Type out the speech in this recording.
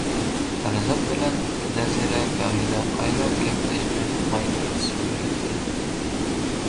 پەرىزات بىلەن نەزىرە گاھىدا ئايلاپ گەپلەشمەي ماي تارتىشىپ يۈرەتتى.